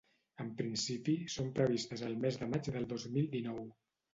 En principi, són previstes al mes de maig del dos mil dinou.